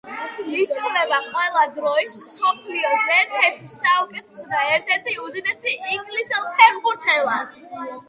ითვლება ყველა დროის მსოფლიოს ერთ-ერთ საუკეთესო და ერთ-ერთ უდიდეს ინგლისელ ფეხბურთელად.